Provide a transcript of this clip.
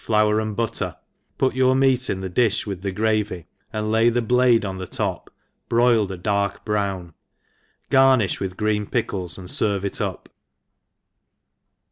flour and butter, piit your meat in the di(h with the^rayy, and lay the blade on the top, broiled a dark brown : gartti(h with green pickles^ and ferve it up.